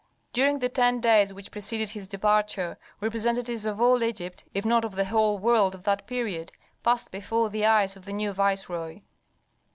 During the ten days which preceded his departure, representatives of all Egypt, if not of the whole world of that period, passed before the eyes of the new viceroy.